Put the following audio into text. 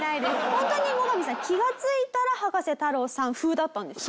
ホントにモガミさん気がついたら葉加瀬太郎さん風だったんですか？